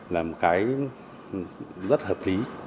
là một cái rất hợp lý